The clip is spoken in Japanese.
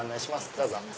どうぞ。